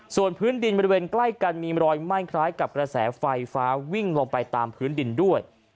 ส่วนพื้นดินบริเวณใกล้กันมีรอยไหม้คล้ายกับกระแสไฟฟ้าวิ่งลงไปตามพื้นดินด้วย